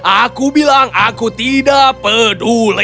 aku bilang aku tidak peduli